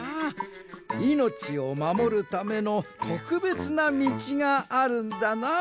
いのちをまもるためのとくべつなみちがあるんだな。